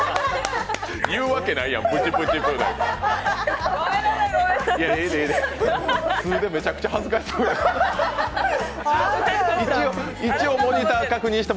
言うわけないやん、プチプチプーなんて。